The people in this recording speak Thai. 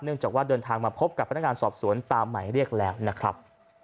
จากว่าเดินทางมาพบกับพนักงานสอบสวนตามหมายเรียกแล้วนะครับ